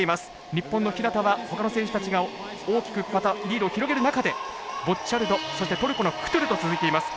日本の日向は、ほかの選手たちが大きくリードを広げる中でボッチャルド、そしてトルコのクトゥルと続いています。